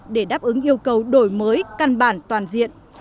để đáp ứng yêu cầu đổi mới căn bản toàn diện